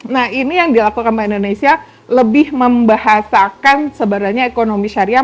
nah ini yang dilakukan oleh indonesia lebih membahasakan sebenarnya ekonomi syariah